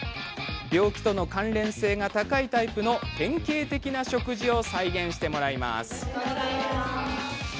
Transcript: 病気との関連性が高いタイプの典型的な食事を再現してもらいます。